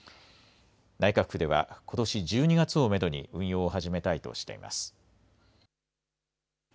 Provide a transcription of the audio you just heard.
内閣府ではことし１２月をメドに運用を始めたいとしています。